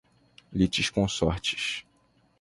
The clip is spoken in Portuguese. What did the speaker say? litisconsortes